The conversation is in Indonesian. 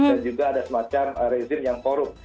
dan juga ada semacam rezim yang korup